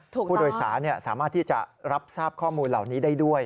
ผู้โดยสารสามารถที่จะรับทราบข้อมูลเหล่านี้ได้ด้วย